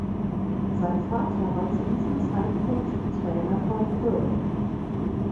Sein Vater war zu diesem Zeitpunkt Trainer von Perth.